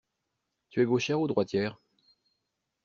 Tu es gauchère ou droitière?